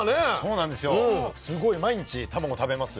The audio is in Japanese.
すごい毎日たまご食べます。